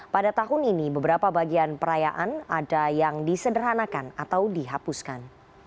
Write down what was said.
pada tahun ini beberapa bagian perayaan ada yang disederhanakan atau dihapuskan